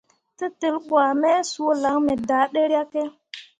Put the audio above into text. Tetel wuah me suu lan me daa ɗeryakke.